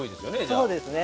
そうですね。